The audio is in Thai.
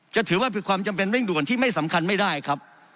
จะถือว่ามีความจำเป็นเร่งด่วนที่ไม่สำคัญไม่ได้ครับ